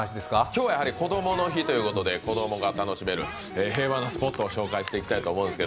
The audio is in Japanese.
今日はこどもの日ということで子供が楽しめる平和なスポットを紹介していきたいと思うんです。